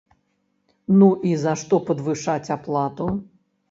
Ну і за што падвышаць аплату?